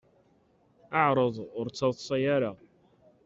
Ɛṛeḍ ur d-ttaḍṣa ara.